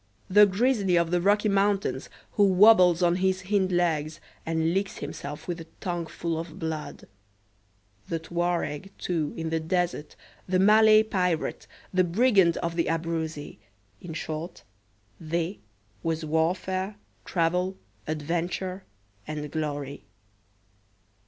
The grizzly of the Rocky Mountains, who wobbles on his hind legs, and licks himself with a tongue full of blood. The Touareg, too, in the desert, the Malay pirate, the brigand of the Abruzzi in short, "they" was warfare, travel, adventure, and glory.